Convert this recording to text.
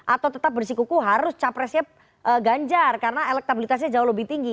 atau tetap bersikuku harus capresnya ganjar karena elektabilitasnya jauh lebih tinggi